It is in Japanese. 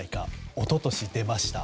一昨日は出ました。